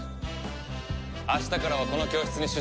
明日からはこの教室に出席しろ。